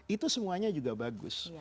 itu semuanya juga bagus